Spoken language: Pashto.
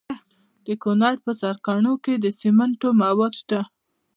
د کونړ په سرکاڼو کې د سمنټو مواد شته.